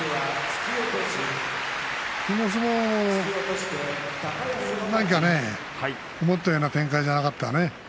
この相撲、なんかね思ったような展開じゃなかったね。